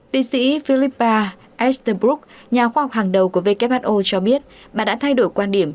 tiến sĩ philippa extelbrook nhà khoa học hàng đầu của who cho biết bà đã thay đổi quan điểm